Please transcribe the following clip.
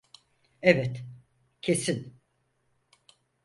Evet, kesin.